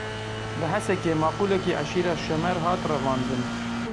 Li Hesekê maqûlekî eşîra Şemer hat revandin.